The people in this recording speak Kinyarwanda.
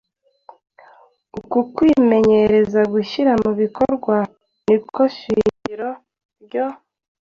Uku kwimenyereza gushyira mu bikorwa ni ko shingiro ryo